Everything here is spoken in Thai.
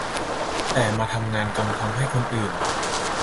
แต่มาทำงานจนทำให้คนอื่น